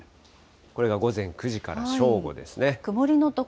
これが午前９時から正午ですね。